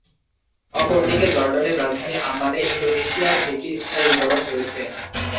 অপরদিকে, জর্ডানের রাজধানী আম্মানে ইন্দোনেশিয়ার একটি স্থায়ী দূতাবাস রয়েছে।